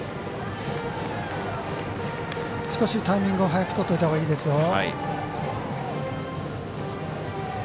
少しタイミング早くとっておいたほうがいいです。